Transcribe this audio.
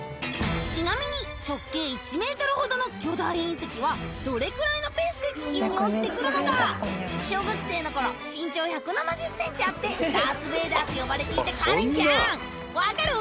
ちなみに直径１ｍほどの巨大隕石はどれくらいのペースで地球に落ちてくるのか小学生のころ身長１７０ｃｍあってダースベーダーって呼ばれていたカレンちゃん分かる？